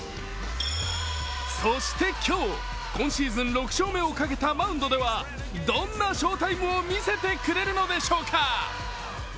そして今日、今シーズン６勝目をかけたマウンドではどんな翔タイムを見せてくれるのでしょうか。